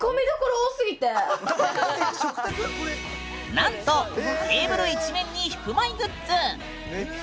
なんとテーブル一面にヒプマイグッズ！